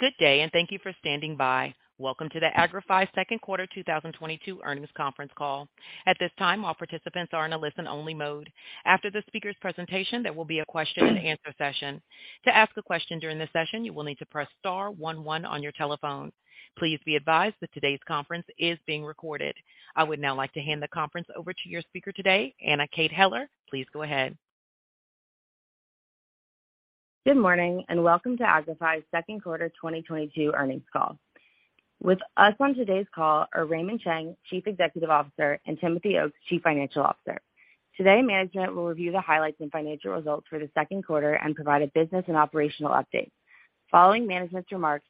Good day, and thank you for standing by. Welcome to the Agrify Q2 2022 earnings conference call. At this time, all participants are in a listen-only mode. After the speaker's presentation, there will be a question and answer session. To ask a question during this session, you will need to press star one one on your telephone. Please be advised that today's conference is being recorded. I would now like to hand the conference over to your speaker today, Anna Kate Heller. Please go ahead. Good morning, and welcome to Agrify's Q2 2022 earnings call. With us on today's call are Raymond Chang, Chief Executive Officer, and Timothy Oakes, Chief Financial Officer. Today, management will review the highlights and financial results for the Q2 and provide a business and operational update. Following management's remarks,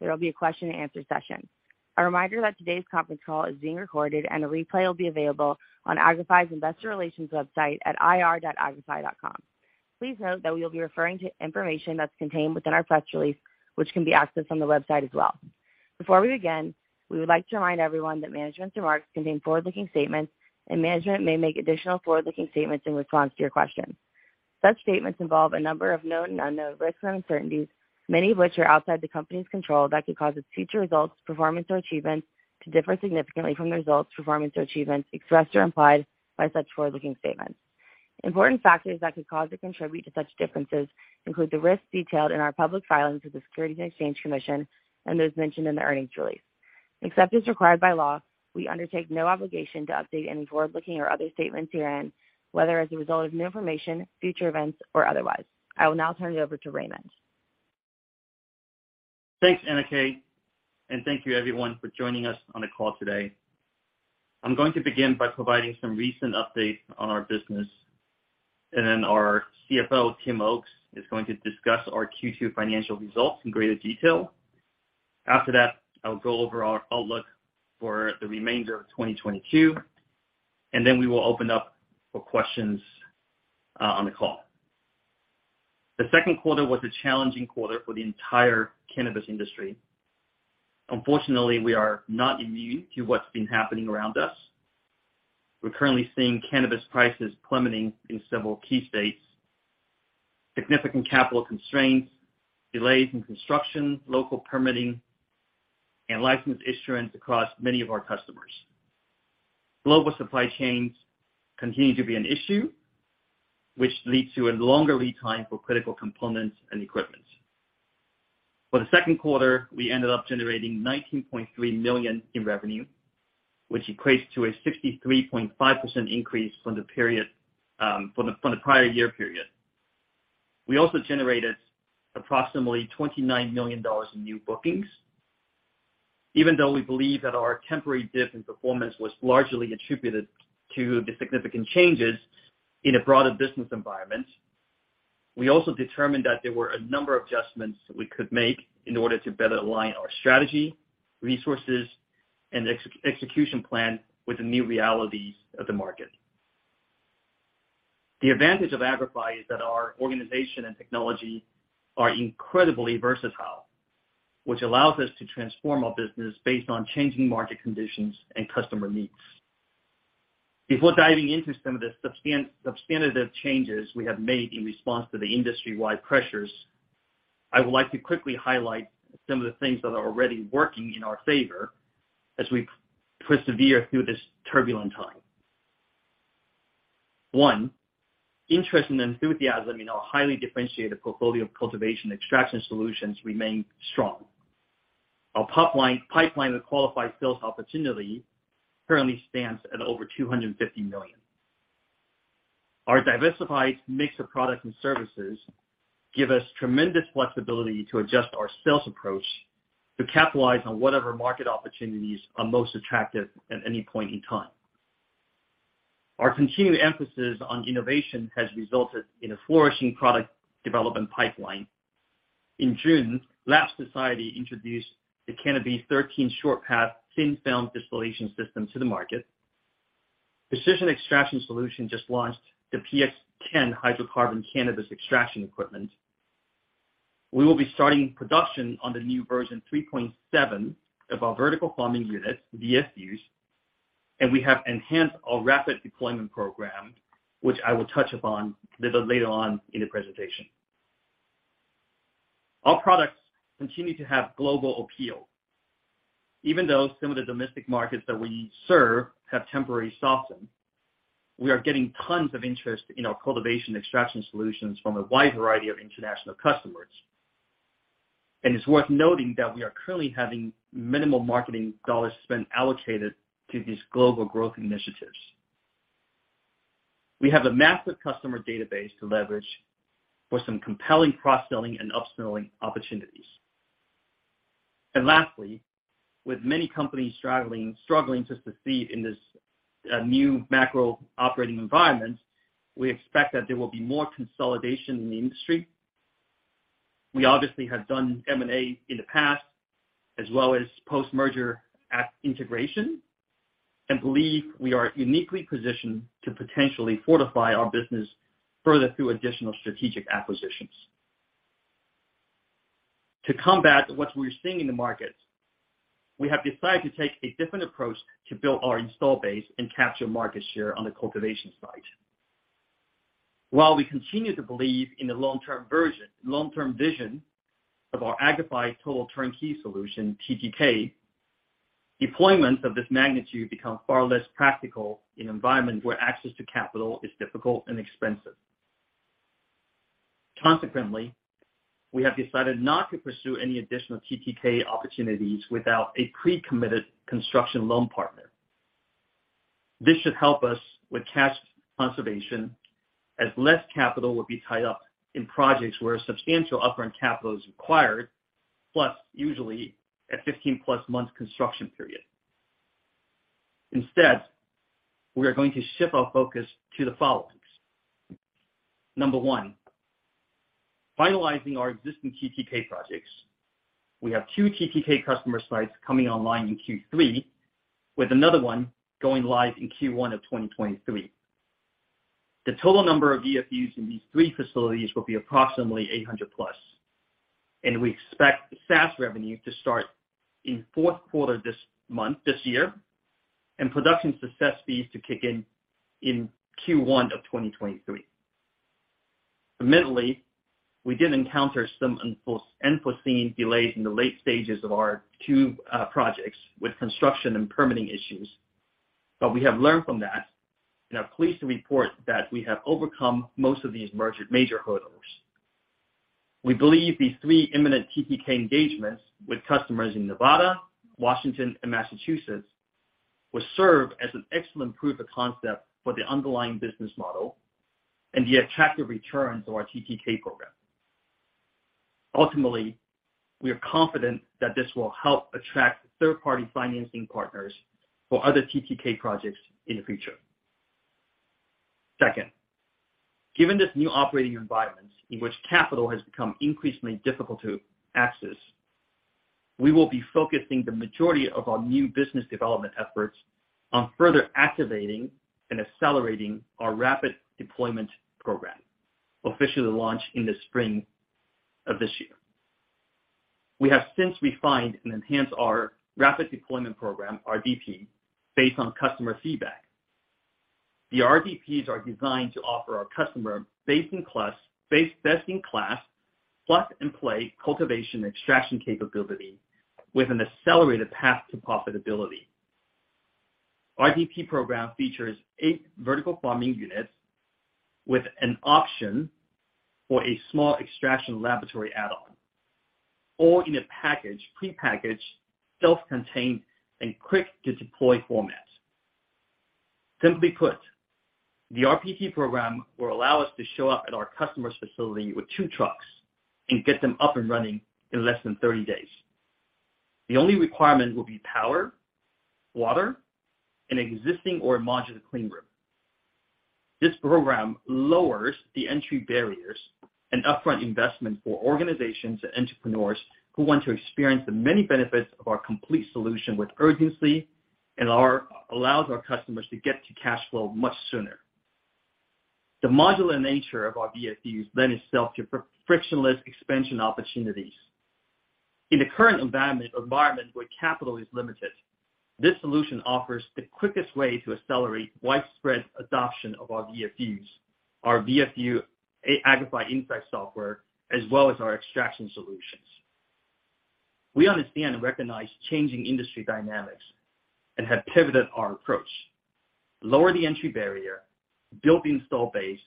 there will be a question and answer session. A reminder that today's conference call is being recorded and a replay will be available on Agrify's investor relations website at ir.agrify.com. Please note that we'll be referring to information that's contained within our press release, which can be accessed on the website as well. Before we begin, we would like to remind everyone that management's remarks contain forward-looking statements, and management may make additional forward-looking statements in response to your questions. Such statements involve a number of known and unknown risks and uncertainties, many of which are outside the company's control, that could cause its future results, performance or achievements to differ significantly from the results, performance or achievements expressed or implied by such forward-looking statements. Important factors that could cause or contribute to such differences include the risks detailed in our public filings with the Securities and Exchange Commission, and those mentioned in the earnings release. Except as required by law, we undertake no obligation to update any forward-looking or other statements herein, whether as a result of new information, future events or otherwise. I will now turn you over to Raymond. Thanks, Anna Kate, and thank you everyone for joining us on the call today. I'm going to begin by providing some recent updates on our business, and then our CFO, Tim Oakes, is going to discuss our Q2 financial results in greater detail. After that, I'll go over our outlook for the remainder of 2022, and then we will open up for questions on the call. The Q2 was a challenging quarter for the entire cannabis industry. Unfortunately, we are not immune to what's been happening around us. We're currently seeing cannabis prices plummeting in several key states, significant capital constraints, delays in construction, local permitting and license issuance across many of our customers. Global supply chains continue to be an issue which leads to a longer lead time for critical components and equipment. For the Q2, we ended up generating $19.3 million in revenue, which equates to a 63.5% increase from the prior year period. We also generated approximately $29 million in new bookings. Even though we believe that our temporary dip in performance was largely attributed to the significant changes in a broader business environment, we also determined that there were a number of adjustments that we could make in order to better align our strategy, resources and execution plan with the new realities of the market. The advantage of Agrify is that our organization, and technology are incredibly versatile, which allows us to transform our business based on changing market conditions and customer needs. Before diving into some of the substantive changes we have made in response to the industry-wide pressures, I would like to quickly highlight some of the things that are already working in our favor as we persevere through this turbulent time. One, interest and enthusiasm in our highly differentiated portfolio of cultivation extraction solutions remain strong. Our pipeline of qualified sales opportunity currently stands at over $250 million. Our diversified mix of products and services give us tremendous flexibility to adjust our sales approach to capitalize on whatever market opportunities are most attractive at any point in time. Our continued emphasis on innovation has resulted in a flourishing product development pipeline. In June, Lab Society introduced the CannaBeast 13 Short Path Thin Film Distillation System to the market. Precision Extraction Solutions just launched the PX10 hydrocarbon cannabis extraction equipment. We will be starting production on the new version 3.7 of our vertical farming units, VFUs, and we have enhanced our rapid deployment program, which I will touch upon little later on in the presentation. Our products continue to have global appeal. Even though some of the domestic markets that we serve have temporarily softened, we are getting tons of interest in our cultivation extraction solutions from a wide variety of international customers. It's worth noting that we are currently having minimal marketing dollars spent allocated to these global growth initiatives. We have a massive customer database to leverage for some compelling cross-selling and upselling opportunities. Lastly, with many companies struggling to succeed in this new macro operating environment, we expect that there will be more consolidation in the industry. We obviously have done M&A in the past as well as post-merger integration, and believe we are uniquely positioned to potentially fortify our business further through additional strategic acquisitions. To combat what we're seeing in the market, we have decided to take a different approach to build our install base and capture market share on the cultivation side. While we continue to believe in the long-term vision of our Agrify total turnkey solution, TTK, deployment of this magnitude becomes far less practical in an environment where access to capital is difficult and expensive. Consequently, we have decided not to pursue any additional TTK opportunities without a pre-committed construction loan partner. This should help us with cash conservation as less capital will be tied up in projects where substantial upfront capital is required, plus usually a 15+ month construction period. Instead, we are going to shift our focus to the followings. Number one, finalizing our existing TTK projects. We have 2 TTK customer sites coming online in Q3, with another one going live in Q1 of 2023. The total number of VFUs in these three facilities will be approximately 800+, and we expect SaaS revenue to start in Q4 this month, this year, and production success fees to kick in Q1 of 2023. Admittedly, we did encounter some unforeseen delays in the late stages of our 2 projects with construction and permitting issues. We have learned from that and are pleased to report that we have overcome most of these major hurdles. We believe these three imminent TTK engagements with customers in Nevada, Washington, and Massachusetts will serve as an excellent proof of concept for the underlying business model and the attractive returns of our TTK program. Ultimately, we are confident that this will help attract third-party financing partners for other TTK projects in the future. Second, given this new operating environment in which capital has become increasingly difficult to access, we will be focusing the majority of our new business development efforts on further activating and accelerating our rapid deployment program, officially launched in the spring of this year. We have since refined and enhanced our rapid deployment program, RDP, based on customer feedback. The RDPs are designed to offer our customers best-in-class plug and play cultivation extraction capability with an accelerated path to profitability. RDP program features eight vertical farming units with an option for a small extraction laboratory add-on, all in a package, prepackaged, self-contained, and quick to deploy format. Simply put, the RDP program will allow us to show up at our customer's facility with two trucks and get them up and running in less than 30 days. The only requirement will be power, water, and existing or modular clean room. This program lowers the entry barriers, and upfront investment for organizations and entrepreneurs who want to experience the many benefits of our complete solution with urgency and allows our customers to get to cash flow much sooner. The modular nature of our VFUs lend itself to frictionless expansion opportunities. In the current environment where capital is limited, this solution offers the quickest way to accelerate widespread adoption of our VFUs, our Agrify Insights software, as well as our extraction solutions. We understand and recognize changing industry dynamics and have pivoted our approach. Lower the entry barrier, build the install base,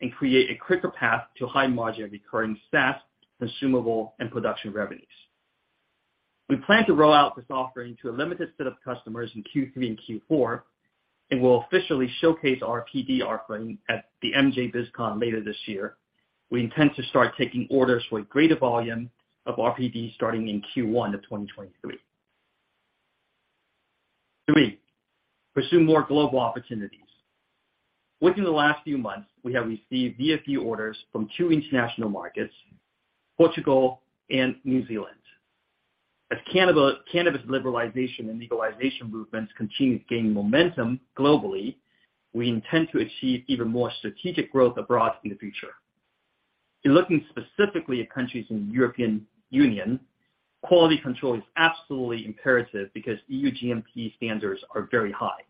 and create a quicker path to high margin recurring SaaS, consumable, and production revenues. We plan to roll out this offering to a limited set of customers in Q3 and Q4, and we'll officially showcase our RDP offering at the MJBizCon later this year. We intend to start taking orders for greater volume of RDP starting in Q1 of 2023. Three, pursue more global opportunities. Within the last few months, we have received VFU orders from two international markets, Portugal and New Zealand. As cannabis liberalization and legalization movements continue to gain momentum globally, we intend to achieve even more strategic growth abroad in the future. In looking specifically at countries in the European Union, quality control is absolutely imperative because EU GMP standards are very high,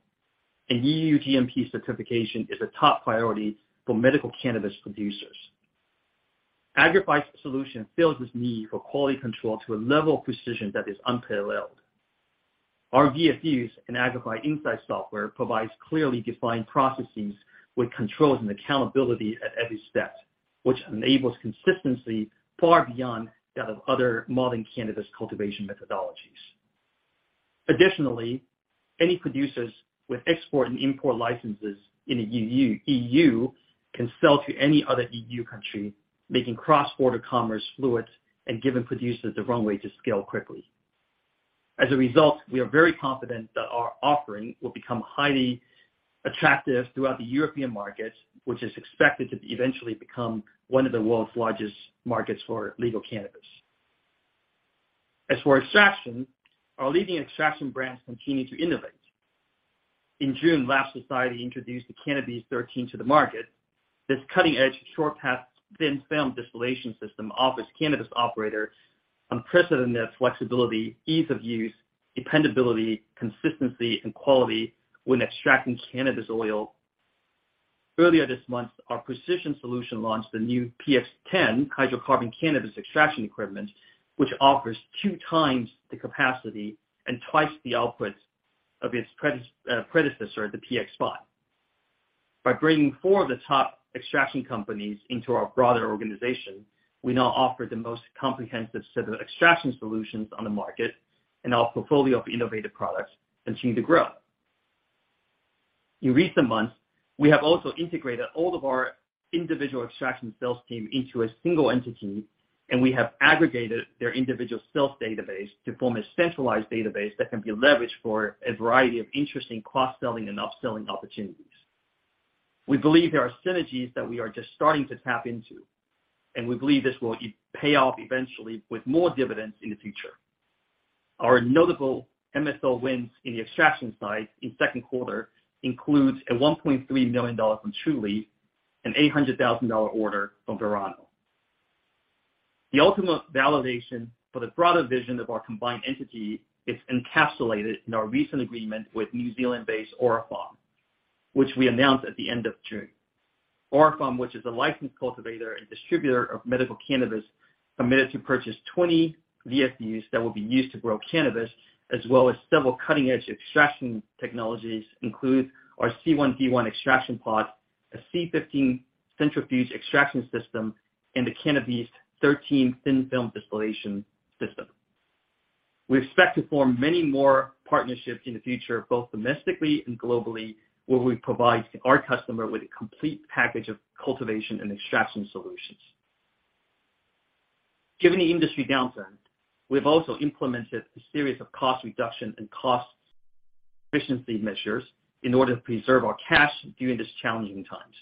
and EU GMP certification is a top priority for medical cannabis producers. Agrify's solution fills this need for quality control to a level of precision that is unparalleled. Our VFUs and Agrify Insights software provides clearly defined processes with controls and accountability at every step, which enables consistency far beyond that of other modern cannabis cultivation methodologies. Additionally, any producers with export and import licenses in the EU can sell to any other EU country, making cross-border commerce fluid and giving producers the runway to scale quickly. As a result, we are very confident that our offering will become highly attractive throughout the European markets, which is expected to eventually become one of the world's largest markets for legal cannabis. As for extraction, our leading extraction brands continue to innovate. In June, Lab Society introduced the CannaBeast 13 to the market. This cutting-edge short path thin film distillation system offers cannabis operators unprecedented flexibility, ease of use, dependability, consistency, and quality when extracting cannabis oil. Earlier this month, our Precision Extraction Solutions launched the new PX10 hydrocarbon cannabis extraction equipment, which offers 2x the capacity and twice the output of its predecessor, the PX5. By bringing four of the top extraction companies into our broader organization, we now offer the most comprehensive set of extraction solutions on the market and our portfolio of innovative products continue to grow. In recent months, we have also integrated all of our individual extraction sales team into a single entity, and we have aggregated their individual sales database to form a centralized database that can be leveraged for a variety of interesting cross-selling, and upselling opportunities. We believe there are synergies that we are just starting to tap into, and we believe this will pay off eventually with more dividends in the future. Our notable MSO wins in the extraction side in Q2 includes a $1.3 million dollar from Trulieve, an $800,000 dollar order from Verano. The ultimate validation for the broader vision of our combined entity is encapsulated in our recent agreement with New Zealand-based Ora Pharm, which we announced at the end of June. Our farm, which is a licensed cultivator and distributor of medical cannabis, committed to purchase 20 VFUs that will be used to grow cannabis, as well as several cutting-edge extraction technologies, including our C1D1 extraction pod, a C-15 centrifuge extraction system, and the CannaBeast 13 thin film distillation system. We expect to form many more partnerships in the future, both domestically and globally, where we provide our customer with a complete package of cultivation, and extraction solutions. Given the industry downturn, we've also implemented a series of cost reduction and cost efficiency measures in order to preserve our cash during these challenging times.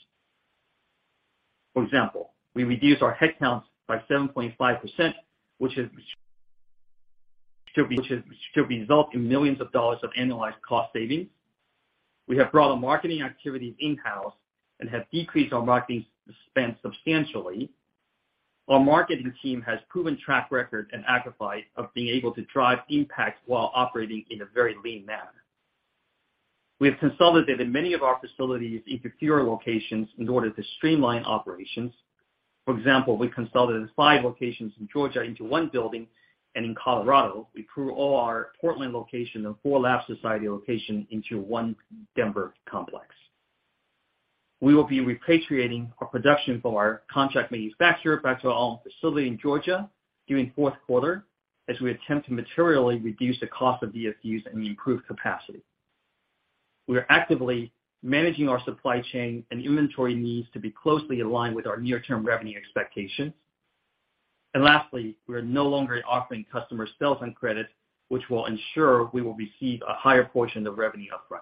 For example, we reduced our headcounts by 7.5%, which should result in $ millions of annualized cost savings. We have brought our marketing activities in-house and have decreased our marketing spend substantially. Our marketing team has proven track record and Agrify of being able to drive impact while operating in a very lean manner. We have consolidated many of our facilities into fewer locations in order to streamline operations. For example, we consolidated five locations in Georgia into one building, and in Colorado, we moved our Portland location, and four Lab Society locations into one Denver complex. We will be repatriating our production for our contract manufacturer back to our own facility in Georgia during Q4 as we attempt to materially reduce the cost of VFUs and improve capacity. We are actively managing our supply chain, and inventory needs to be closely aligned with our near-term revenue expectations. Lastly, we are no longer offering customer sales on credit, which will ensure we will receive a higher portion of revenue upfront.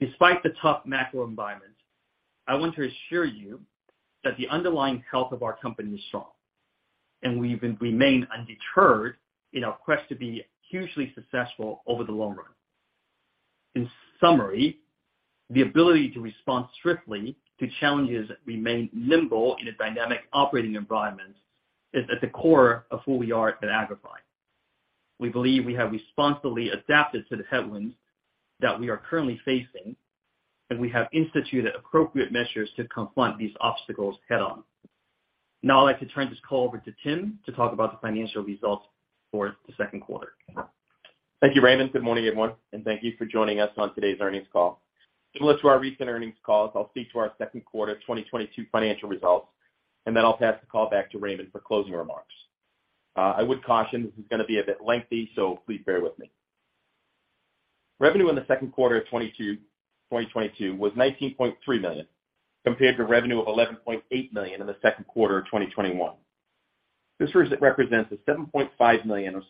Despite the tough macro environment, I want to assure you that the underlying health of our company is strong, and remain undeterred in our quest to be hugely successful over the long run. In summary, the ability to respond swiftly to challenges remain nimble in a dynamic operating environment is at the core of who we are at Agrify. We believe we have responsibly adapted to the headwinds that we are currently facing, and we have instituted appropriate measures to confront these obstacles head-on. Now I'd like to turn this call over to Tim to talk about the financial results for the Q2. Thank you, Raymond. Good morning, everyone, and thank you for joining us on today's earnings call. Similar to our recent earnings calls, I'll speak to our Q2 2022 financial results, and then I'll pass the call back to Raymond for closing remarks. I would caution this is gonna be a bit lengthy, so please bear with me. Revenue in the Q2 of 2022 was $19.3 million, compared to revenue of $11.8 million in the Q2 of 2021. This represents a $7.5 million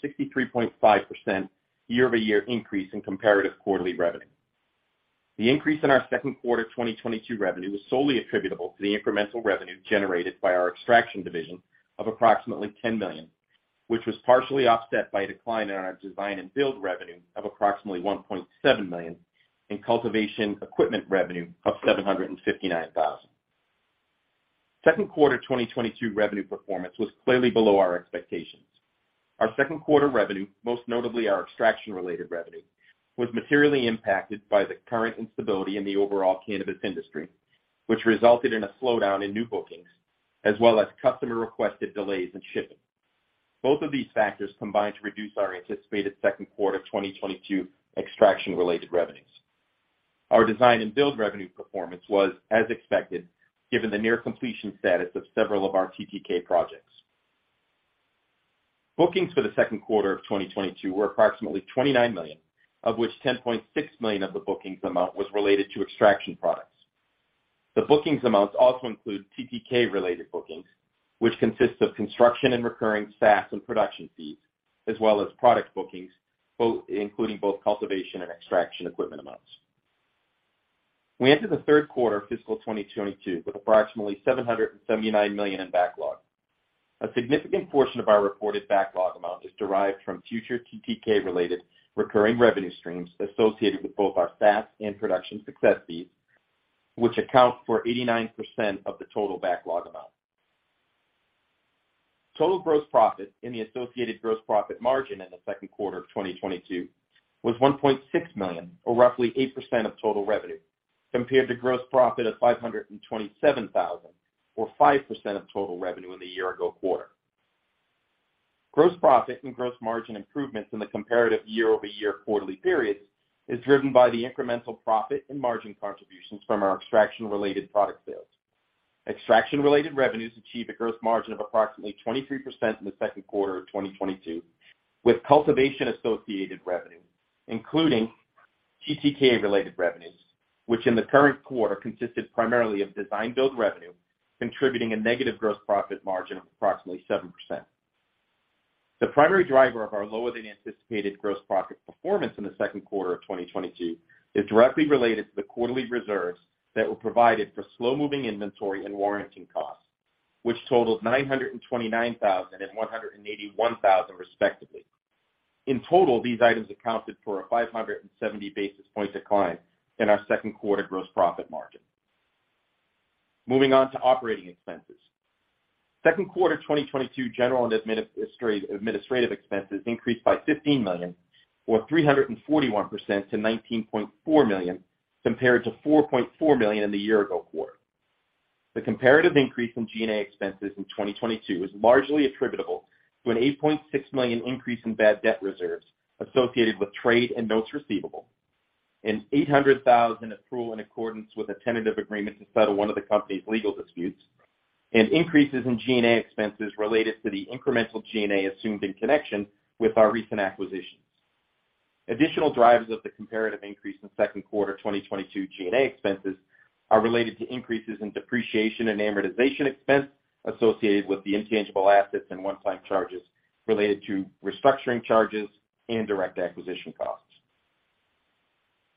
or 63.5% year-over-year increase in comparative quarterly revenue. The increase in our Q2 2022 revenue was solely attributable to the incremental revenue generated by our extraction division of approximately $10 million, which was partially offset by a decline in our design and build revenue of approximately $1.7 million and cultivation equipment revenue of $759,000. Q2 2022 revenue performance was clearly below our expectations. Our Q2 revenue, most notably our extraction-related revenue, was materially impacted by the current instability in the overall cannabis industry, which resulted in a slowdown in new bookings as well as customer-requested delays in shipping. Both of these factors combined to reduce our anticipated Q2 of 2022 extraction-related revenues. Our design and build revenue performance was as expected, given the near completion status of several of our TTK projects. Bookings for the Q2 of 2022 were approximately $29 million, of which $10.6 million of the bookings amount was related to extraction products. The bookings amounts also include TTK-related bookings, which consists of construction and recurring SaaS and production fees, as well as product bookings, both including both cultivation and extraction equipment amounts. We enter the Q3 of fiscal 2022 with approximately $779 million in backlog. A significant portion of our reported backlog amount is derived from future TTK-related recurring revenue streams associated with both our SaaS and production success fees, which account for 89% of the total backlog amount. Total gross profit and the associated gross profit margin in the Q2 of 2022 was $1.6 million, or roughly 8% of total revenue, compared to gross profit of $527,000, or 5% of total revenue in the year-ago quarter. Gross profit and gross margin improvements in the comparative year-over-year quarterly periods is driven by the incremental profit and margin contributions from our extraction-related product sales. Extraction-related revenues achieve a gross margin of approximately 23% in the Q2 of 2022, with cultivation-associated revenue, including TTK-related revenues, which in the current quarter consisted primarily of design build revenue, contributing a negative gross profit margin of approximately 7%. The primary driver of our lower than anticipated gross profit performance in the Q2 of 2022 is directly related to the quarterly reserves that were provided for slow-moving inventory and warranting costs, which totaled $929,000 and $181,000 respectively. In total, these items accounted for a 570 basis point decline in our Q2 gross profit margin. Moving on to operating expenses. Q2 2022 general and administrative expenses increased by $15 million or 341% to $19.4 million compared to $4.4 million in the year-ago quarter. The comparative increase in G&A expenses in 2022 is largely attributable to an $8.6 million increase in bad debt reserves associated with trade and notes receivable, an $800,000 accrual in accordance with a tentative agreement to settle one of the company's legal disputes, and increases in G&A expenses related to the incremental G&A assumed in connection with our recent acquisitions. Additional drivers of the comparative increase in Q2 2022 G&A expenses are related to increases in depreciation, and amortization expense associated with the intangible assets and one-time charges related to restructuring charges and direct acquisition costs.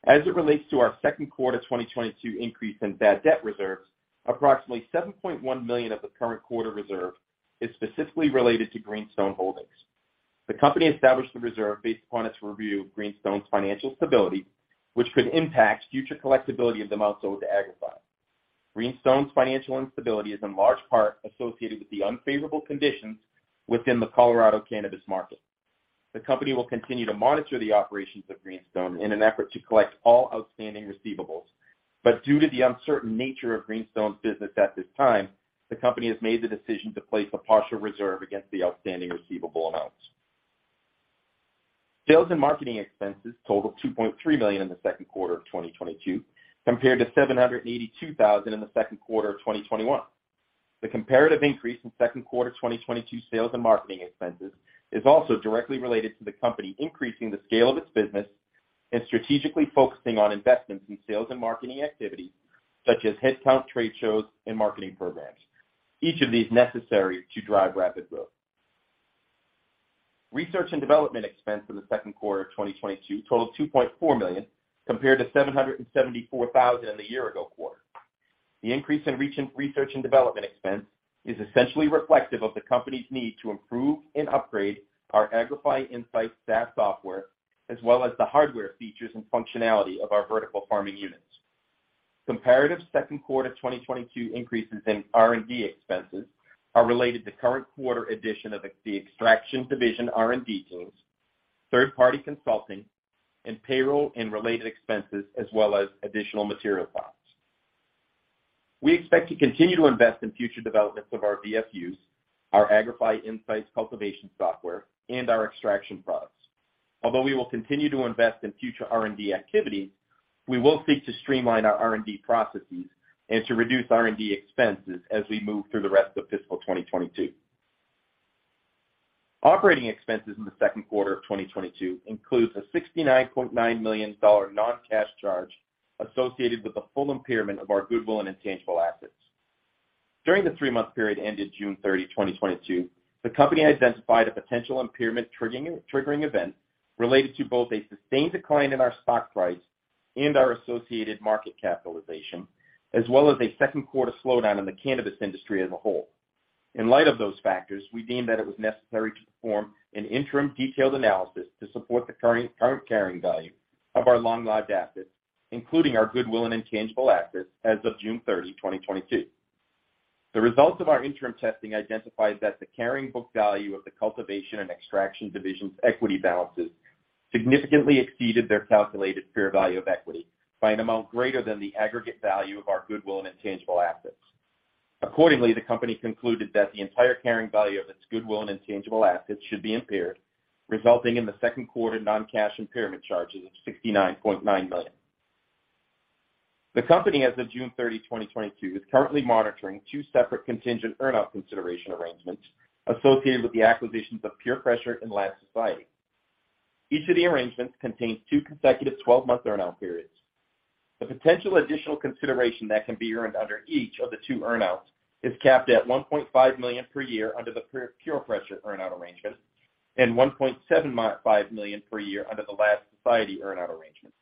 As it relates to our Q2 2022 increase in bad debt reserves, approximately $7.1 million of the current quarter reserve is specifically related to Greenstone Holdings. The company established the reserve based upon its review of Greenstone's financial stability, which could impact future collectibility of the amounts owed to Agrify. Greenstone's financial instability is in large part associated with the unfavorable conditions within the Colorado cannabis market. The company will continue to monitor the operations of Greenstone in an effort to collect all outstanding receivables. Due to the uncertain nature of Greenstone's business at this time, the company has made the decision to place a partial reserve against the outstanding receivable amounts. Sales and marketing expenses totaled $2.3 million in the Q2 of 2022, compared to $782,000 in the Q2 of 2021. The comparative increase in Q2 2022 sales and marketing expenses is also directly related to the company increasing the scale of its business and strategically focusing on investments in sales and marketing activities such as headcount, trade shows, and marketing programs, each of these necessary to drive rapid growth. Research and development expense in the Q2 of 2022 totaled $2.4 million, compared to $774,000 in the year ago quarter. The increase in research and development expense is essentially reflective of the company's need to improve and upgrade our Agrify Insights SaaS software, as well as the hardware features and functionality of our vertical farming units. Comparative Q2 2022 increases in R&D expenses are related to current quarter addition of the extraction division R&D teams, third-party consulting, and payroll and related expenses, as well as additional material costs. We expect to continue to invest in future developments of our VFUs, our Agrify Insights cultivation software, and our extraction products. Although we will continue to invest in future R&D activities, we will seek to streamline our R&D processes and to reduce R&D expenses as we move through the rest of fiscal 2022. Operating expenses in the Q2 of 2022 includes a $69.9 million non-cash charge associated with the full impairment of our goodwill and intangible assets. During the three-month period ended June 30, 2022, the company identified a potential impairment triggering event related to both a sustained decline in our stock price and our associated market capitalization, as well as a Q2 slowdown in the cannabis industry as a whole. In light of those factors, we deemed that it was necessary to perform an interim detailed analysis to support the current carrying value of our long-lived assets, including our goodwill and intangible assets as of June 30, 2022. The results of our interim testing identified that the carrying book value of the cultivation and extraction division's equity balances significantly exceeded their calculated fair value of equity by an amount greater than the aggregate value of our goodwill and intangible assets. Accordingly, the company concluded that the entire carrying value of its goodwill, and intangible assets should be impaired, resulting in the Q2 non-cash impairment charges of $69.9 million. The company, as of June 30, 2022, is currently monitoring two separate contingent earn out consideration arrangements associated with the acquisitions of PurePressure and Lab Society. Each of the arrangements contains two consecutive 12-month earn out periods. The potential additional consideration that can be earned under each of the two earn outs is capped at $1.5 million per year under the PurePressure earn out arrangement, and $1.75 million per year under the Lab Society earn out arrangement.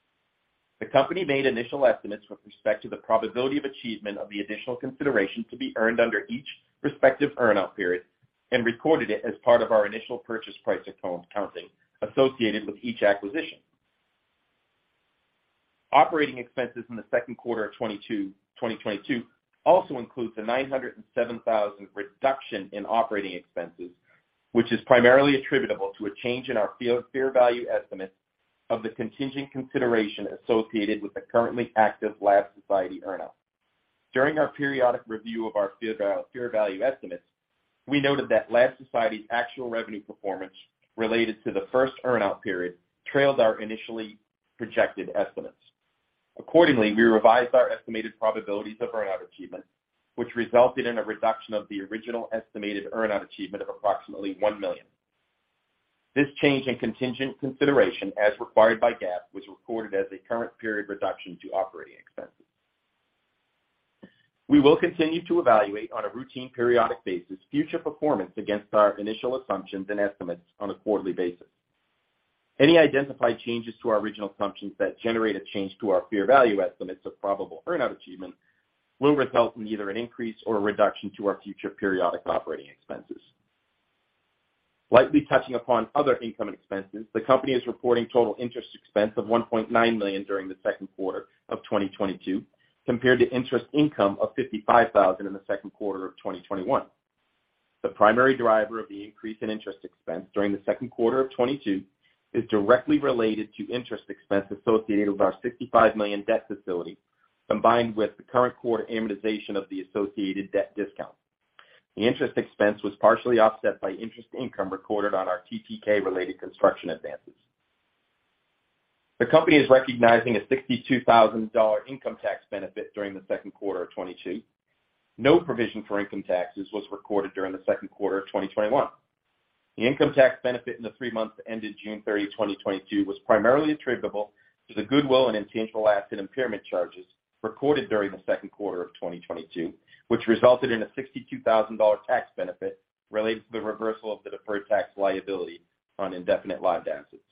The company made initial estimates with respect to the probability of achievement of the additional consideration to be earned under each respective earn-out period and recorded it as part of our initial purchase price accounting associated with each acquisition. Operating expenses in the Q2 of 2022 also includes a $907,000 reduction in operating expenses, which is primarily attributable to a change in our fair value estimates of the contingent consideration associated with the currently active Lab Society earn-out. During our periodic review of our fair value estimates, we noted that Lab Society's actual revenue performance related to the first earn-out period trailed our initially projected estimates. Accordingly, we revised our estimated probabilities of earn-out achievement, which resulted in a reduction of the original estimated earn-out achievement of approximately $1 million. This change in contingent consideration, as required by GAAP, was recorded as a current period reduction to operating expenses. We will continue to evaluate on a routine periodic basis future performance against our initial assumptions and estimates on a quarterly basis. Any identified changes to our original assumptions that generate a change to our fair value estimates of probable earn-out achievement will result in either an increase or a reduction to our future periodic operating expenses. Slightly touching upon other income and expenses, the company is reporting total interest expense of $1.9 million during the Q2 of 2022, compared to interest income of $55,000 in the Q2 of 2021. The primary driver of the increase in interest expense during the Q2 of 2022 is directly related to interest expense associated with our $65 million debt facility, combined with the current quarter amortization of the associated debt discount. The interest expense was partially offset by interest income recorded on our TTK-related construction advances. The company is recognizing a $62,000 income tax benefit during the Q2 of 2022. No provision for income taxes was recorded during the Q2 of 2021. The income tax benefit in the three months that ended June 30, 2022, was primarily attributable to the goodwill and intangible asset impairment charges recorded during the Q2 of 2022, which resulted in a $62,000 tax benefit related to the reversal of the deferred tax liability on indefinite lived assets.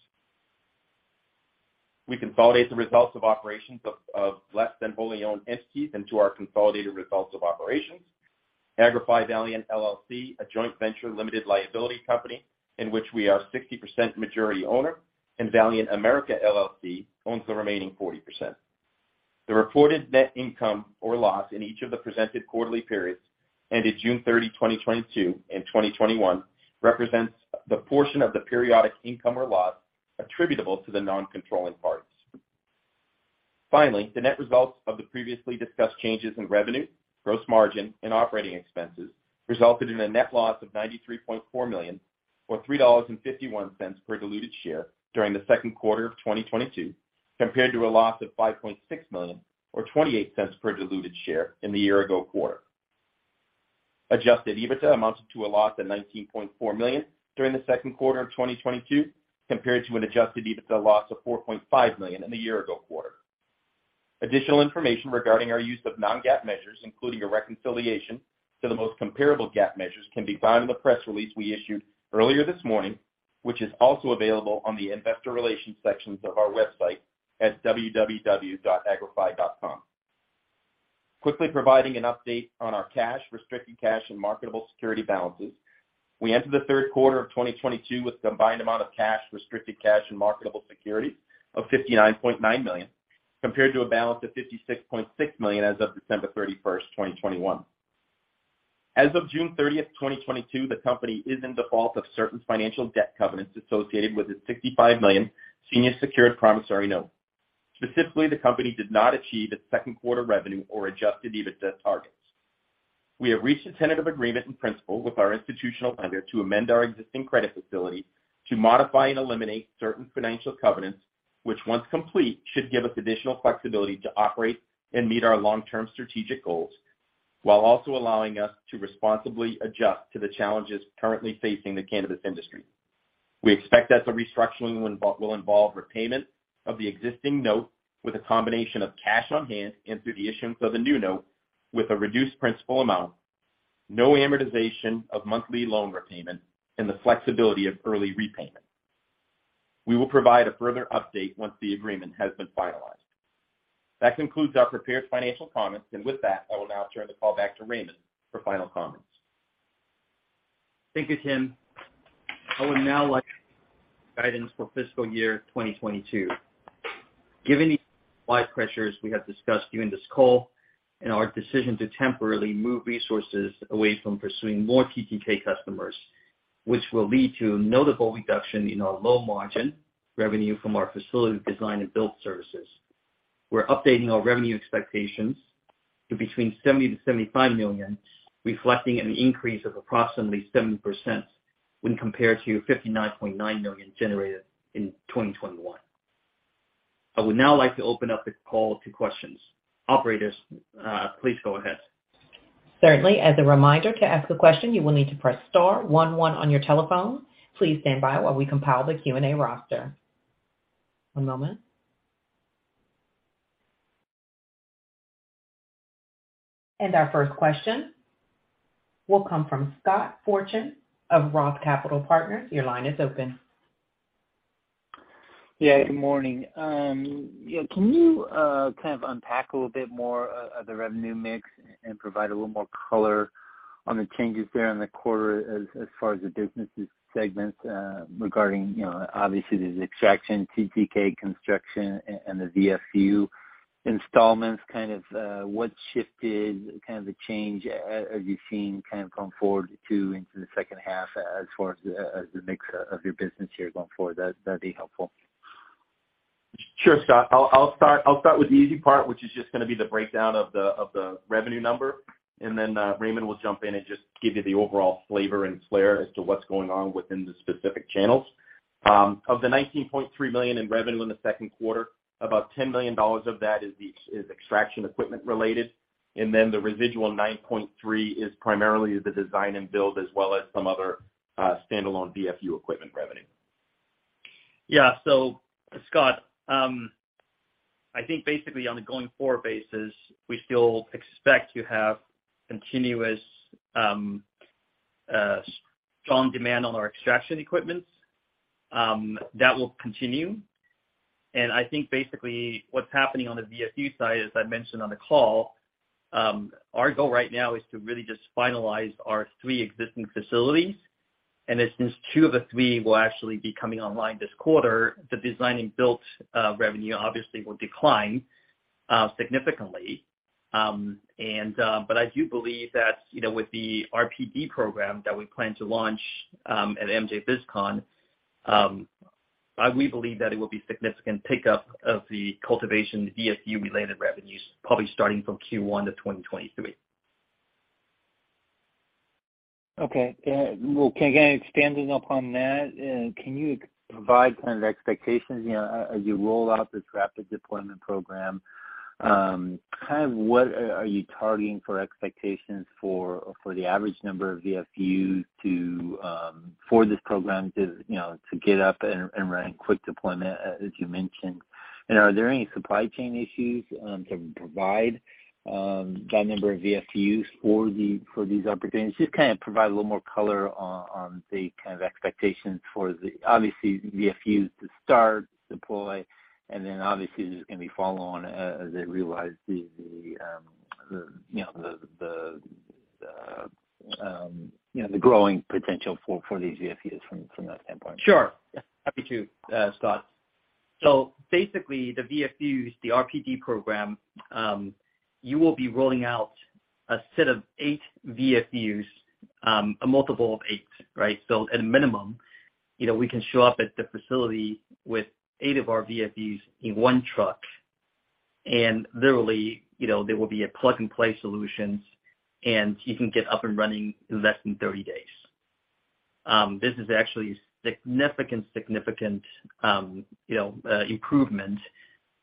We consolidate the results of operations of less than wholly owned entities into our consolidated results of operations. Agrify-Valiant LLC, a joint venture limited liability company in which we are 60% majority owner, and Valiant-America LLC owns the remaining 40%. The reported net income or loss in each of the presented quarterly periods ended June 30, 2022, and 2021 represents the portion of the periodic income or loss attributable to the non-controlling parties. Finally, the net results of the previously discussed changes in revenue, gross margin, and operating expenses resulted in a net loss of $93.4 million, or $3.51 per diluted share during the Q2 of 2022, compared to a loss of $5.6 million, or $0.28 per diluted share in the year-ago quarter. Adjusted EBITDA amounted to a loss of $19.4 million during the Q2 of 2022, compared to an adjusted EBITDA loss of $4.5 million in the year ago quarter. Additional information regarding our use of non-GAAP measures, including a reconciliation to the most comparable GAAP measures, can be found in the press release we issued earlier this morning, which is also available on the investor relations sections of our website at www.agrify.com. Quickly providing an update on our cash, restricted cash, and marketable security balances. We entered the Q3 of 2022 with combined amount of cash, restricted cash, and marketable securities of $59.9 million, compared to a balance of $56.6 million as of December 31, 2021. As of June 30, 2022, the company is in default of certain financial debt covenants associated with its $65 million senior secured promissory note. Specifically, the company did not achieve its Q2 revenue or adjusted EBITDA targets. We have reached a tentative agreement in principle with our institutional lender to amend our existing credit facility to modify and eliminate certain financial covenants, which once complete, should give us additional flexibility to operate and meet our long-term strategic goals while also allowing us to responsibly adjust to the challenges currently facing the cannabis industry. We expect that the restructuring will involve repayment of the existing note with a combination of cash on hand, and through the issuance of a new note with a reduced principal amount, no amortization of monthly loan repayment, and the flexibility of early repayment. We will provide a further update once the agreement has been finalized. That concludes our prepared financial comments. With that, I will now turn the call back to Raymond for final comments. Thank you, Tim. I would now like to provide guidance for fiscal year 2022. Given the supply pressures we have discussed during this call and our decision to temporarily move resources away from pursuing more TTK customers, which will lead to a notable reduction in our low margin revenue from our facility design, and build services, we're updating our revenue expectations to between $70 million-$75 million, reflecting an increase of approximately 7% when compared to $59.9 million generated in 2021. I would now like to open up the call to questions. Operators, please go ahead. Certainly. As a reminder, to ask a question, you will need to press star one one on your telephone. Please stand by while we compile the Q&A roster. One moment. Our first question will come from Scott Fortune of Roth Capital Partners. Your line is open. Good morning. Can you kind of unpack a little bit more of the revenue mix and provide a little more color? On the changes there in the quarter as far as the business segments, regarding, you know, obviously the extraction TTK construction and the VFU installments, kind of, what shifted kind of the change, you've seen kind of going forward to into the H2 as far as the, as the mix of your business here going forward. That'd be helpful. Sure, Scott. I'll start with the easy part, which is just gonna be the breakdown of the revenue number, and then Raymond will jump in and just give you the overall flavor and flair as to what's going on within the specific channels. Of the $19.3 million in revenue in the Q2, about $10 million of that is extraction equipment related, and then the residual $9.3 million is primarily the design and build, as well as some other standalone VFU equipment revenue. Yeah. Scott, I think basically on a going forward basis, we still expect to have continuous, strong demand on our extraction equipments. That will continue. I think basically what's happening on the VFU side, as I mentioned on the call, our goal right now is to really just finalize our three existing facilities. Since two of the three will actually be coming online this quarter, the design and build revenue obviously will decline significantly. I do believe that, you know, with the RDP program that we plan to launch at MJBizCon, we believe that it will be significant pickup of the cultivation VFU related revenues, probably starting from Q1 2023. Okay. Well, expanding upon that, can you provide kind of the expectations, you know, as you roll out this rapid deployment program? Kind of what are you targeting for expectations for the average number of VFUs for this program to, you know, to get up and running quick deployment, as you mentioned? And are there any supply chain issues to provide that number of VFUs for these opportunities? Just kind of provide a little more color on the kind of expectations for the obviously the VFU to start deploy, and then obviously there's gonna be follow on as they realize the you know the growing potential for these VFUs from that standpoint. Sure. Happy to, Scott. Basically, the VFUs, the RDP program, you will be rolling out a set of 8 VFUs, a multiple of 8, right? At a minimum, you know, we can show up at the facility with 8 of our VFUs in 1 truck. Literally, you know, there will be a plug-and-play solutions, and you can get up and running in less than 30 days. This is actually significant improvement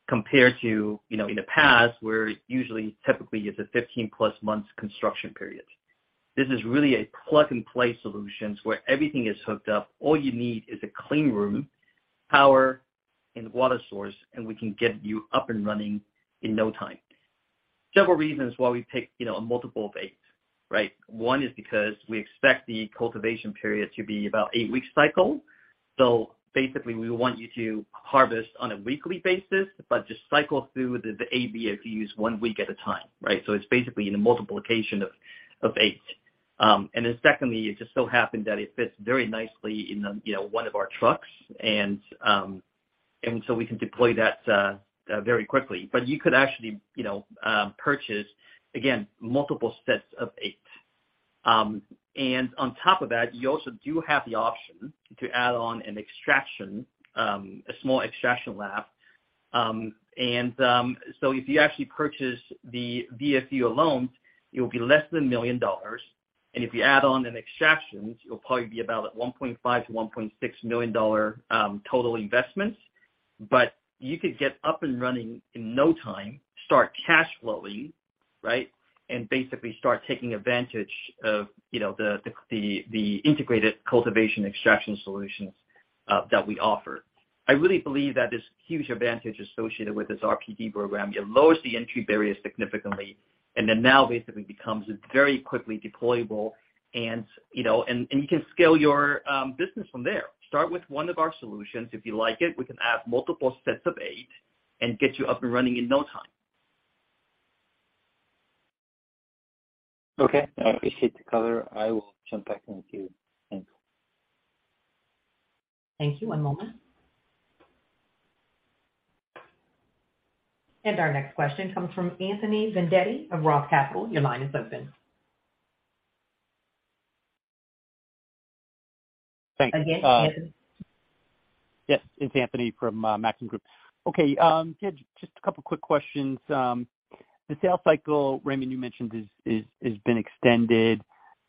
compared to, you know, in the past where usually typically it's a 15+ months construction period. This is really a plug-and-play solutions where everything is hooked up. All you need is a clean room, power and water source, and we can get you up and running in no time. Several reasons why we pick, you know, a multiple of eight, right? One is because we expect the cultivation period to be about eight weeks cycle. Basically, we want you to harvest on a weekly basis, but just cycle through the eight VFUs one week at a time, right? It's basically in a multiplication of eight. Then secondly, it just so happened that it fits very nicely in a, you know, one of our trucks and so we can deploy that very quickly. You could actually, you know, purchase, again, multiple sets of eight. And on top of that, you also do have the option to add on an extraction, a small extraction lab. So if you actually purchase the VFU alone, it will be less than $1 million. If you add on extraction, it will probably be about $1.5-$1.6 million total investments. You could get up and running in no time, start cash flowing, right, and basically start taking advantage of, you know, the integrated cultivation extraction solutions that we offer. I really believe that there's huge advantage associated with this RDP program. It lowers the entry barriers significantly, and then now basically becomes very quickly deployable and, you know, and you can scale your business from there. Start with one of our solutions. If you like it, we can add multiple sets of eight and get you up and running in no time. Okay. I appreciate the color. I will jump back into queue. Thank you. Thank you. One moment. Our next question comes from Anthony Vendetti of Roth Capital. Your line is open. Thanks. Again, Anthony. Yes. It's Anthony from Maxim Group. Okay. Yeah, just a couple quick questions. The sales cycle, Raymond, you mentioned is has been extended.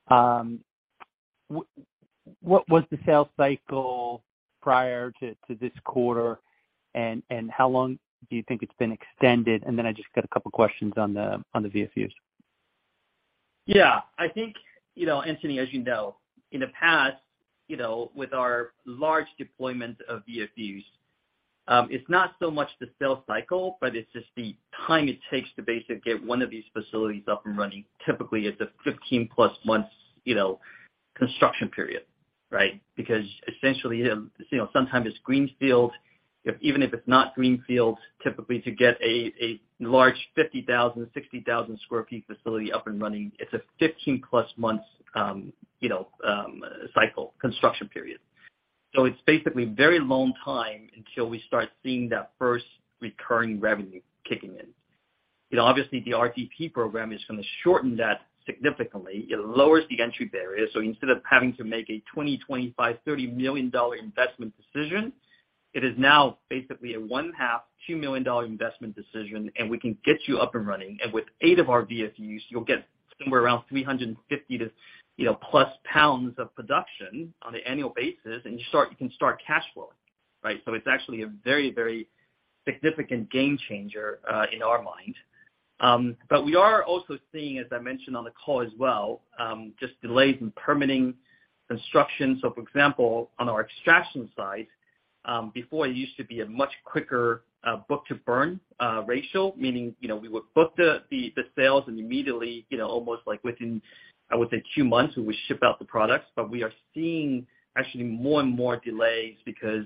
What was the sales cycle prior to this quarter and how long do you think it's been extended? I just got a couple questions on the VFUs. Yeah. I think, you know, Anthony, as you know, in the past, you know, with our large deployment of VFUs, it's not so much the sales cycle, but it's just the time it takes to basically get one of these facilities up and running. Typically, it's a 15+ months, you know, construction period, right? Because essentially, you know, sometimes it's greenfield. Even if it's not greenfields, typically to get a large 50,000-60,000 sq ft facility up and running, it's a 15+ months, you know, cycle construction period. So it's basically very long time until we start seeing that first recurring revenue kicking in. You know, obviously the RDP program is gonna shorten that significantly. It lowers the entry barrier. Instead of having to make a $20, $25, $30 million dollar investment decision, it is now basically a H1, $2 million dollar investment decision, and we can get you up and running. With eight of our VFUs, you'll get somewhere around 350 to, you know, + lbs of production on an annual basis, and you can start cash flowing, right? It's actually a very, very significant game changer in our mind. We are also seeing, as I mentioned on the call as well, just delays in permitting construction. For example, on our extraction side, before it used to be a much quicker book-to-bill ratio, meaning, you know, we would book the sales, and immediately, you know, almost like within, I would say two months, we would ship out the products. But we are seeing actually more and more delays because,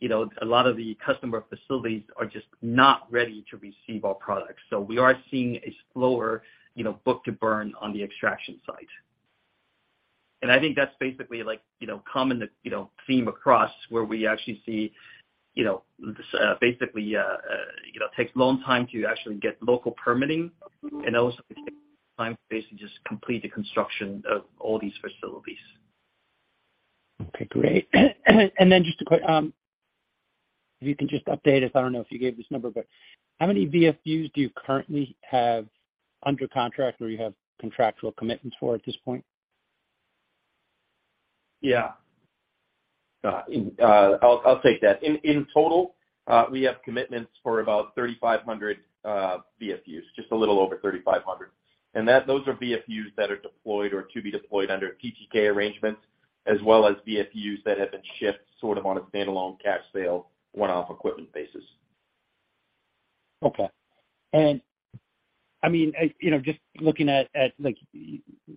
you know, a lot of the customer facilities are just not ready to receive our products. We are seeing a slower, you know, book-to-bill on the extraction side. I think that's basically like, you know, common, you know, theme across where we actually see, you know, this basically you know takes a long time to actually get local permitting and also time basically just complete the construction of all these facilities. Okay, great. Just a quick, if you can just update us. I don't know if you gave this number, but how many VFUs do you currently have under contract or you have contractual commitments for at this point? Yeah. I'll take that. In total, we have commitments for about 3,500 VFUs, just a little over 3,500. Those are VFUs that are deployed or to be deployed under TTK arrangements, as well as VFUs that have been shipped sort of on a standalone cash sale, one-off equipment basis. Okay. I mean, you know, just looking at like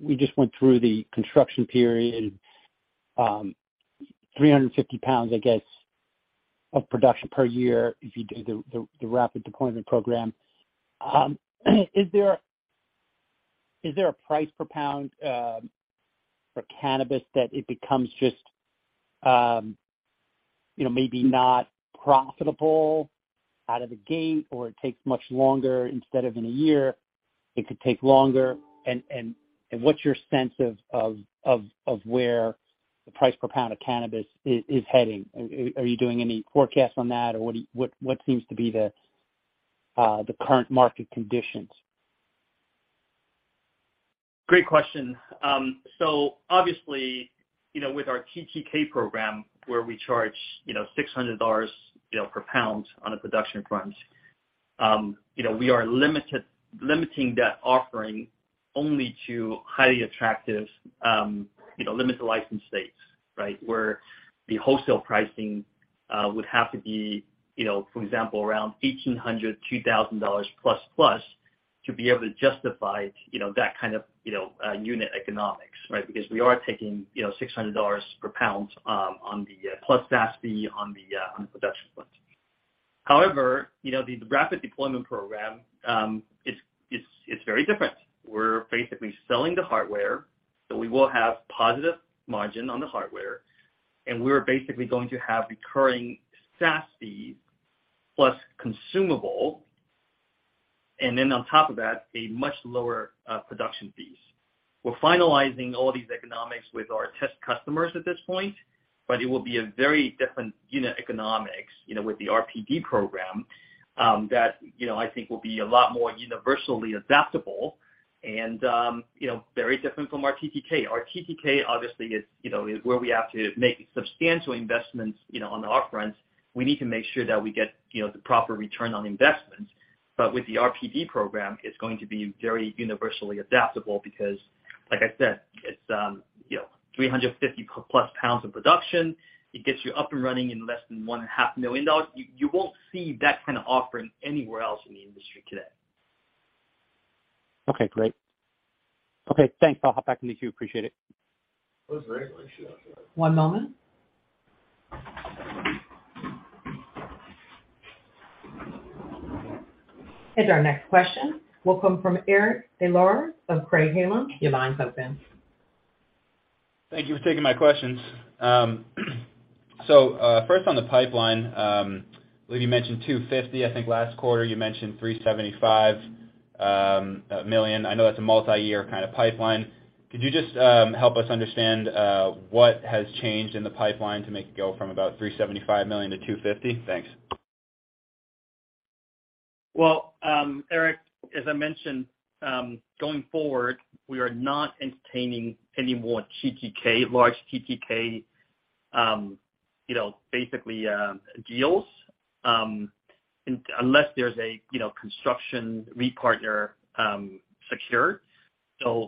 we just went through the construction period, 350 pounds, I guess, of production per year if you do the rapid deployment program. Is there a price per pound for cannabis that it becomes just, you know, maybe not profitable out of the gate, or it takes much longer instead of in a year, it could take longer? What's your sense of where the price per pound of cannabis is heading? Are you doing any forecasts on that? Or what seems to be the current market conditions? Great question. So obviously, you know, with our TTK program where we charge, you know, $600, you know, per pound on a production front, you know, we are limiting that offering only to highly attractive, you know, limited license states, right? Where the wholesale pricing would have to be, you know, for example, around $1,800-$2,000 plus to be able to justify, you know, that kind of, you know, unit economics, right? Because we are taking, you know, $600 per pound on the plus SaaS fee on the production front. However, you know, the rapid deployment program, it's very different. We're basically selling the hardware, so we will have positive margin on the hardware, and we're basically going to have recurring SaaS fees plus consumables and then on top of that, a much lower production fees. We're finalizing all these economics with our test customers at this point, but it will be a very different unit economics, you know, with the RDP program, that, you know, I think will be a lot more universally adaptable and, you know, very different from our TTK. Our TTK obviously is, you know, is where we have to make substantial investments, you know, on the up front. We need to make sure that we get, you know, the proper return on investment. But with the RDP program, it's going to be very universally adaptable because like I said, it's, you know, 350+ pounds in production. It gets you up and running in less than $1.5 million. You won't see that kind of offering anywhere else in the industry today. Okay, great. Okay, thanks. I'll hop back in the queue. Appreciate it. That was great. One moment. Our next question will come from Eric Des Lauriers of Craig-Hallum. Your line's open. Thank you for taking my questions. First on the pipeline, I believe you mentioned $250 million. I think last quarter you mentioned $375 million. I know that's a multi-year kind of pipeline. Could you just help us understand what has changed in the pipeline to make it go from about $375 million to $250 million? Thanks. Well, Eric, as I mentioned, going forward, we are not entertaining any more TTK, large TTK, you know, basically, deals unless there's a you know, construction lead partner secured.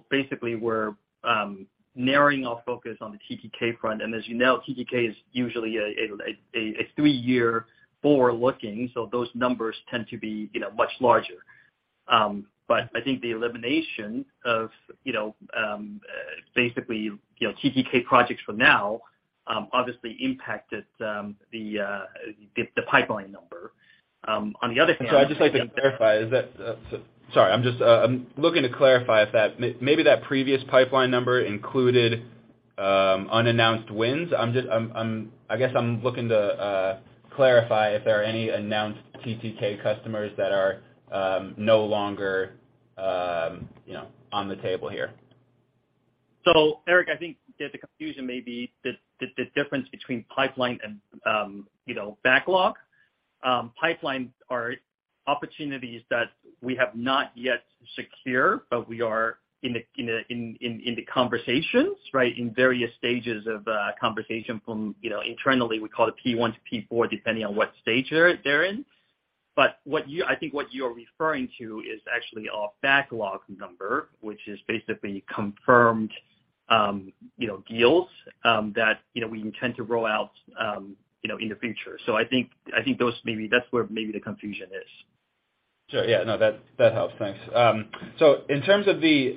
Basically we're narrowing our focus on the TTK front. As you know, TTK is usually a three-year forward looking, so those numbers tend to be you know, much larger. I think the elimination of you know, basically, you know, TTK projects for now obviously impacted the pipeline number. On the other hand- I'd just like to clarify if that previous pipeline number included unannounced wins. I guess I'm looking to clarify if there are any announced TTK customers that are no longer on the table here. Eric, I think that the confusion may be the difference between pipeline and, you know, backlog. Pipelines are opportunities that we have not yet secure, but we are in the conversations, right? In various stages of conversation from, you know, internally we call it P1 to P4, depending on what stage they're in. But I think what you're referring to is actually our backlog number, which is basically confirmed, you know, deals that, you know, we intend to roll out, you know, in the future. I think those maybe that's where maybe the confusion is. Sure, yeah. No, that helps. Thanks. In terms of the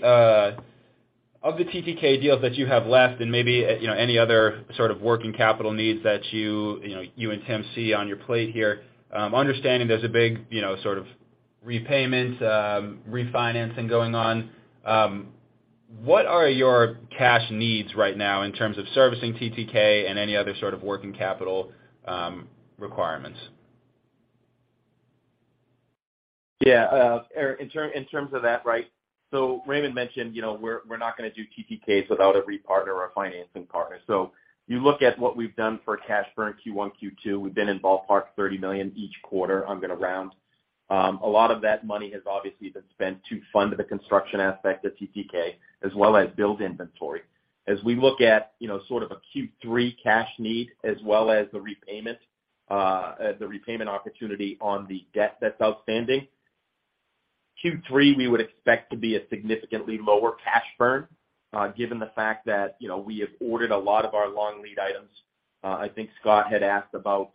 TTK deals that you have left and maybe, you know, any other sort of working capital needs that you know you and Tim see on your plate here, understanding there's a big, you know, sort of repayment refinancing going on, what are your cash needs right now in terms of servicing TTK and any other sort of working capital requirements? Yeah. Eric, in terms of that, right? Raymond mentioned, you know, we're not gonna do TTKs without a partner or a financing partner. You look at what we've done for cash burn Q1, Q2, we've been in ballpark $30 million each quarter. I'm gonna round. A lot of that money has obviously been spent to fund the construction aspect of TTK as well as build inventory. As we look at, you know, sort of a Q3 cash need as well as the repayment opportunity on the debt that's outstanding, Q3, we would expect to be a significantly lower cash burn, given the fact that, you know, we have ordered a lot of our long lead items. I think Scott had asked about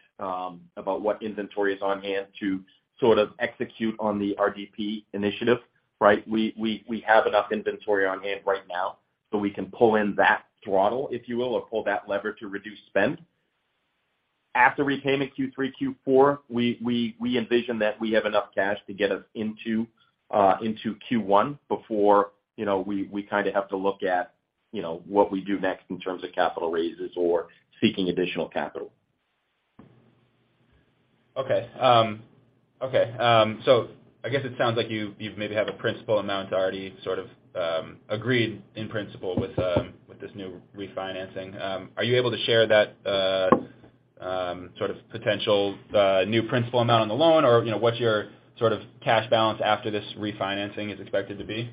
what inventory is on hand to sort of execute on the RDP initiative, right? We have enough inventory on hand right now, so we can pull in that throttle, if you will, or pull that lever to reduce spend. After repayment Q3, Q4, we envision that we have enough cash to get us into Q1 before, you know, we kinda have to look at, you know, what we do next in terms of capital raises or seeking additional capital. I guess it sounds like you may have a principal amount already sort of agreed in principle with this new refinancing. Are you able to share that sort of potential new principal amount on the loan or, you know, what's your sort of cash balance after this refinancing is expected to be?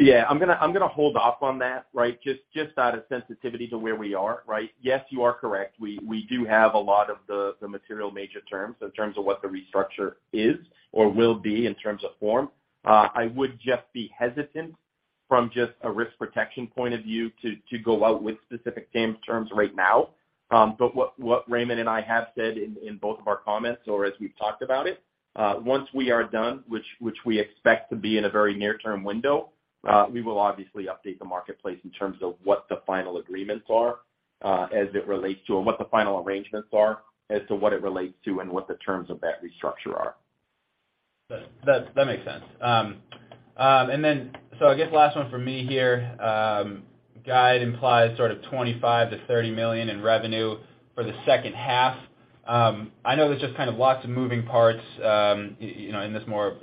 Yeah, I'm gonna hold off on that, right? Just out of sensitivity to where we are, right? Yes, you are correct. We do have a lot of the material major terms in terms of what the restructure is or will be in terms of form. I would just be hesitant from just a risk protection point of view to go out with specific terms right now. What Raymond and I have said in both of our comments or as we've talked about it, once we are done, which we expect to be in a very near-term window, we will obviously update the marketplace in terms of what the final agreements are, as it relates to and what the final arrangements are as to what it relates to and what the terms of that restructure are. That makes sense. I guess last one for me here. Guide implies sort of $25-30 million in revenue for the H2. I know there's just kind of lots of moving parts, you know, in this more,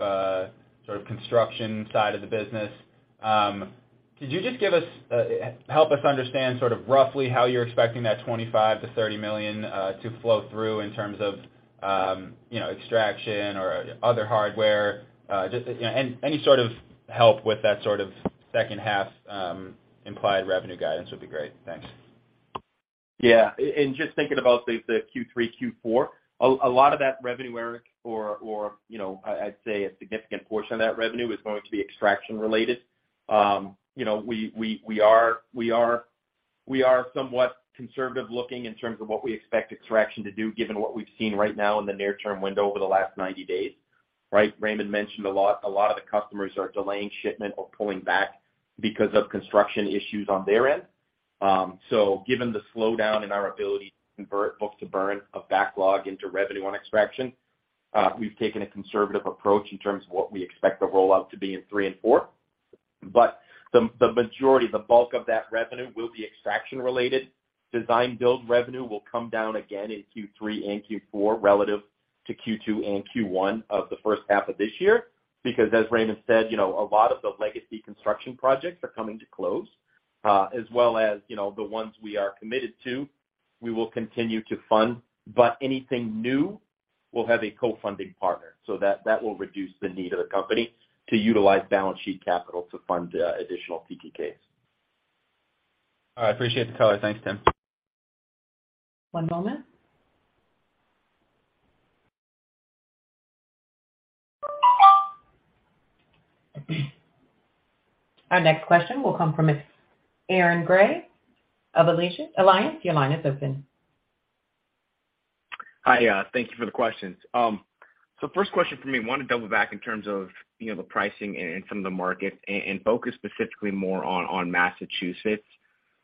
sort of construction side of the business. Could you just give us help us understand sort of roughly how you're expecting that $25-30 million to flow through in terms of, you know, extraction or other hardware? Just, you know, any sort of help with that sort of H2 implied revenue guidance would be great. Thanks. Yeah. Just thinking about the Q3, Q4, a lot of that revenue, Eric, you know, I'd say a significant portion of that revenue is going to be extraction related. You know, we are somewhat conservative looking in terms of what we expect extraction to do, given what we've seen right now in the near term window over the last 90 days, right? Raymond mentioned a lot of the customers are delaying shipment or pulling back because of construction issues on their end. So given the slowdown in our ability to convert book-to-bill of backlog into revenue on extraction, we've taken a conservative approach in terms of what we expect the rollout to be in Q3 and Q4. The majority, the bulk of that revenue will be extraction related. Design build revenue will come down again in Q3 and Q4 relative to Q2 and Q1 of the H1 of this year. Because as Raymond said, you know, a lot of the legacy construction projects are coming to close, as well as, you know, the ones we are committed to, we will continue to fund, but anything new will have a co-funding partner. That will reduce the need of the company to utilize balance sheet capital to fund additional TTKs. All right. Appreciate the color. Thanks, Tim. One moment. Our next question will come from Aaron Grey of Alliance Global Partners. Your line is open. I thank you for the questions. First question for me. Want to double back in terms of, you know, the pricing and some of the markets and focus specifically more on Massachusetts.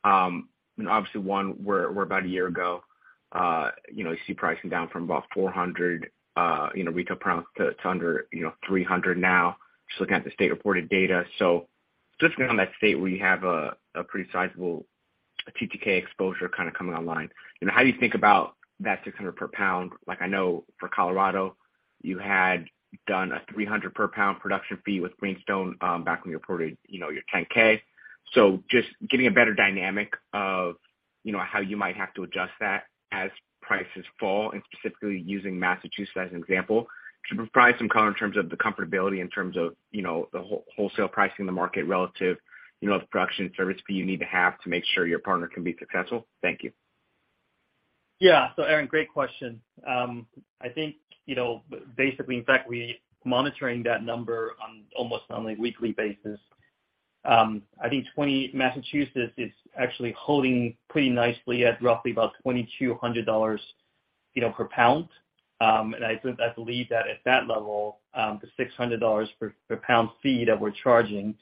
And obviously, we're about a year ago, you know, you see pricing down from about $400, you know, retail price to under $300 now. Just looking at the state reported data. Just looking on that state where you have a pretty sizable TTK exposure kind of coming online. You know, how do you think about that $600 per pound? Like I know for Colorado, you had done a $300 per pound production fee with Greenstone, back when you reported, you know, your 10-K. Just getting a better dynamic of, you know, how you might have to adjust that as prices fall, and specifically using Massachusetts as an example. To provide some color in terms of the comfortability in terms of, you know, the wholesale pricing in the market relative, you know, the production service fee you need to have to make sure your partner can be successful. Thank you. Aaron, great question. I think, you know, basically in fact, we're monitoring that number on almost on a weekly basis. I think Massachusetts is actually holding pretty nicely at roughly about $2,200, you know, per pound. I think, I believe that at that level, the $600 per pound fee that we're charging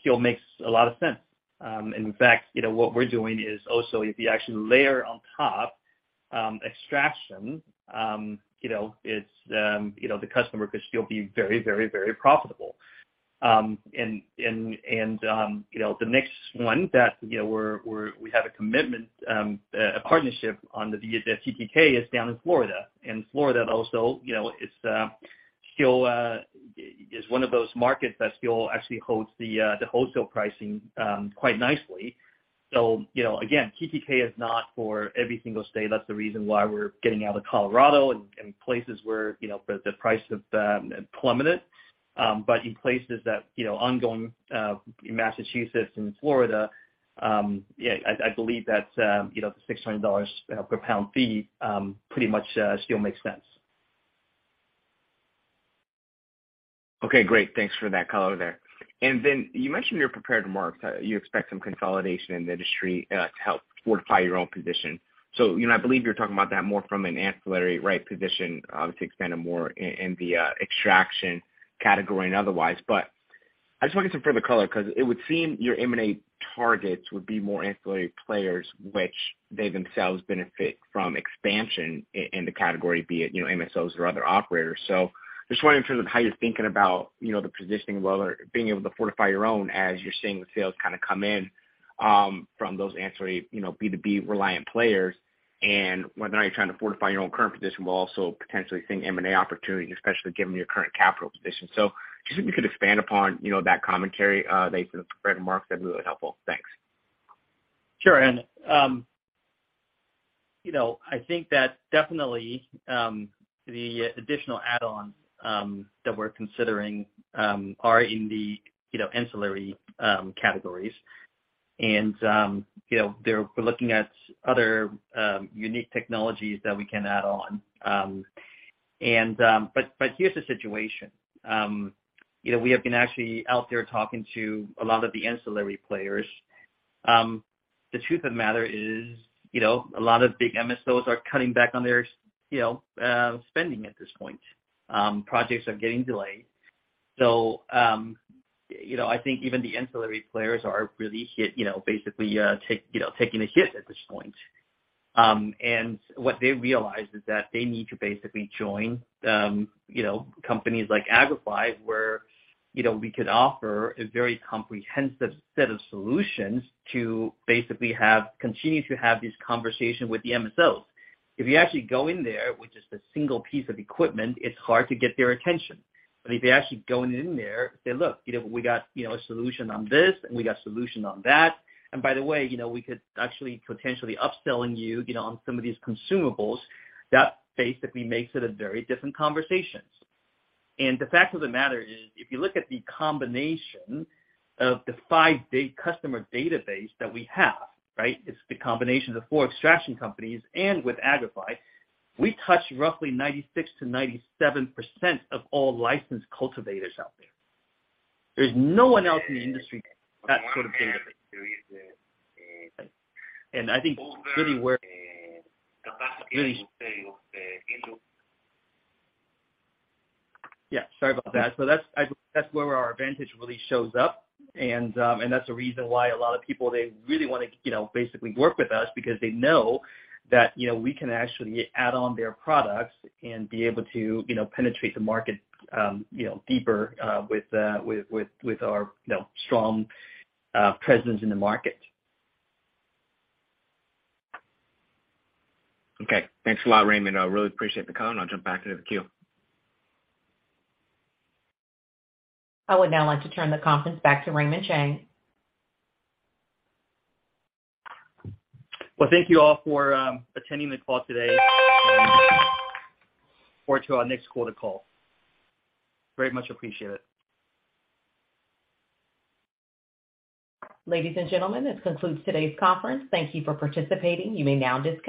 still makes a lot of sense. In fact, you know, what we're doing is also if you actually layer on top, extraction, you know, it's, you know, the customer could still be very profitable. And, you know, the next one that, you know, we have a commitment, a partnership via the TTK is down in Florida. Florida also, you know, is still one of those markets that still actually holds the wholesale pricing quite nicely. You know, again, TTK is not for every single state. That's the reason why we're getting out of Colorado and places where, you know, the price plummeted. In places that, you know, ongoing in Massachusetts and Florida, yeah, I believe that, you know, the $600 per pound fee pretty much still makes sense. Okay, great. Thanks for that color there. You mentioned in your prepared remarks, you expect some consolidation in the industry to help fortify your own position. You know, I believe you're talking about that more from an ancillary right position, obviously expanded more in the extraction category and otherwise. I just wanted some further color because it would seem your M&A targets would be more ancillary players, which they themselves benefit from expansion in the category, be it, you know, MSOs or other operators. Just wondering in terms of how you're thinking about, you know, the positioning well, being able to fortify your own as you're seeing the sales kinda come in from those ancillary, you know, B2B reliant players. Whether or not you're trying to fortify your own current position while also potentially seeing M&A opportunities, especially given your current capital position. Just if you could expand upon, you know, that commentary that you put in the prepared remarks, that'd be really helpful. Thanks. Sure. You know, I think that definitely the additional add-ons that we're considering are in the you know, ancillary categories. You know, we're looking at other unique technologies that we can add on. Here's the situation. You know, we have been actually out there talking to a lot of the ancillary players. The truth of the matter is, you know, a lot of big MSOs are cutting back on their, you know, spending at this point. Projects are getting delayed. You know, I think even the ancillary players are really hit, you know, basically taking a hit at this point. What they realize is that they need to basically join, you know, companies like Agrify where, you know, we could offer a very comprehensive set of solutions to basically continue to have these conversations with the MSOs. If you actually go in there with just a single piece of equipment, it's hard to get their attention. If they're actually going in there, say, "Look, you know, we got, you know, a solution on this and we got solution on that. And by the way, you know, we could actually potentially upselling you know, on some of these consumables," that basically makes it a very different conversations. The fact of the matter is, if you look at the combination of the five big customer database that we have, right? It's the combination of the four extraction companies and with Agrify, we touch roughly 96%-97% of all licensed cultivators out there. There's no one else in the industry with that sort of database. That's where our advantage really shows up. That's the reason why a lot of people, they really wanna, you know, basically work with us because they know that, you know, we can actually add on their products and be able to, you know, penetrate the market, you know, deeper with our, you know, strong presence in the market. Okay. Thanks a lot, Raymond. I really appreciate the call, and I'll jump back into the queue. I would now like to turn the conference back to Raymond Chang. Well, thank you all for attending the call today. Look forward to our next quarter call. Very much appreciate it. Ladies and gentlemen, this concludes today's conference. Thank you for participating. You may now disconnect.